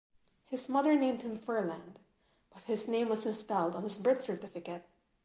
His mother named him Furland, but his name was misspelled on his birth certificate.